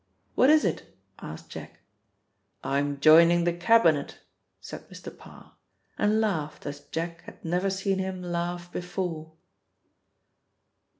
"What is it?" asked Jack. "I'm joining the Cabinet," said Mr. Parr, and laughed as Jack had never seen him laugh before.